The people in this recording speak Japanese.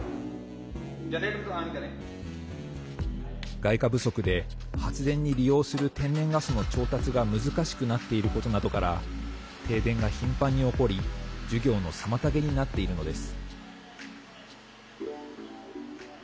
外貨不足で発電に利用する天然ガスの調達が難しくなっていることなどから停電が頻繁に起こり授業の妨げになっているのです。